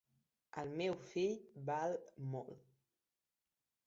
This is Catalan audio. El meu fill val molt.